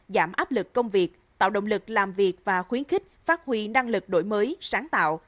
giảm áp lực công việc tạo động lực làm việc và khuyến khích phát huy năng lực đổi mới sáng tạo